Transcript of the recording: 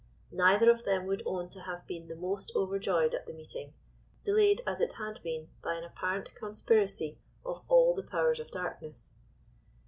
Neither of them would own to have been the most overjoyed at the meeting, delayed as it had been by an apparent conspiracy of all the powers of darkness.